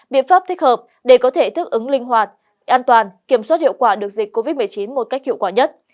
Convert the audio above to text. biện pháp thích hợp để có thể thức ứng linh hoạt an toàn kiểm soát hiệu quả được dịch covid một mươi chín một cách hiệu quả nhất